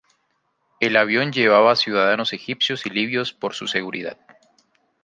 El avión llevaba ciudadanos egipcios y libios por su seguridad.